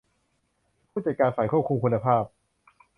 ผู้จัดการฝ่ายควบคุมคุณภาพ